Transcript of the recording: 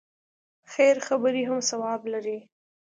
خیر خبرې هم ثواب لري.